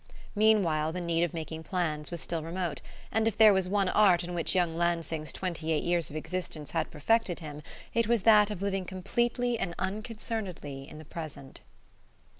Meanwhile the need of making plans was still remote; and if there was one art in which young Lansing's twenty eight years of existence had perfected him it was that of living completely and unconcernedly in the present....